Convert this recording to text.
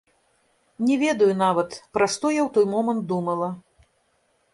Не ведаю нават, пра што я ў той момант думала.